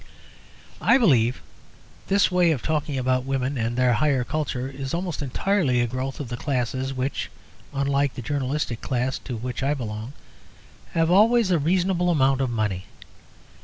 I believe this way of talking about women and their higher culture is almost entirely a growth of the classes which (unlike the journalistic class to which I belong) have always a reasonable amount of money.